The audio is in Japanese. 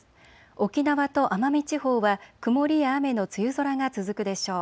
沖縄と奄美地方は曇りや雨の梅雨空が続くでしょう。